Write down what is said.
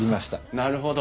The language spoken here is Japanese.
なるほど。